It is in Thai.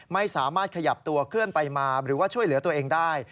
ไม่สามารถขยับตัวเคลื่อนไปมาหรือว่าช่วยเหลือตัวเองได้